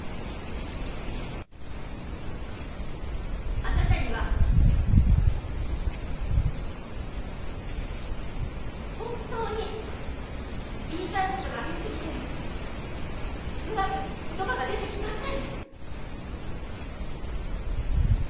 あなたには本当に言いたいことがあり過ぎてうまく言葉が出てきません。